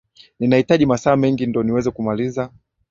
Ninahitaji masaa mengi ndo niweze kumaliza